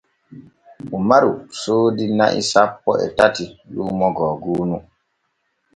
Umaru soodi na'i sanpo e tati luumo googuunu.